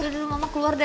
dada dulu mama keluar deh